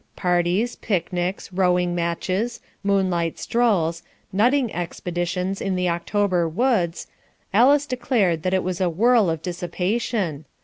Parties, picnics, rowing matches, moonlight strolls, nutting expeditions in the October woods, Alice declared that it was a whirl of dissipation.